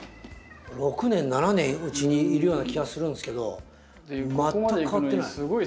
６年７年うちにいるような気がするんすけど全く変わってない。